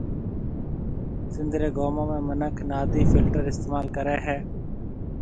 سنڌ رَي گومون ۾ منک نادِي فلٽر استعمال ڪرَي ھيَََ